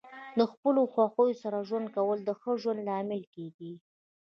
د خپلو خوښیو سره ژوند کول د ښه ژوند لامل کیږي.